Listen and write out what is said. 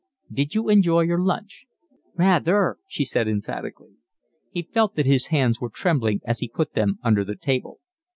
"Did you enjoy your lunch?" "Rather," she said emphatically. He felt that his hands were trembling, so he put them under the table.